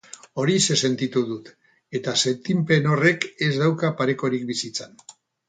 Horixe sentitu dut, eta sentipen horrek ez dauka parekorik bizitzan.